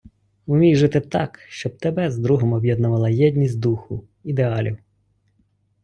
Умій жити так, щоб тебе з другом об'єднувала єдність духу, ідеалів...